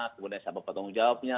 kemudian siapa yang menanggung jawabnya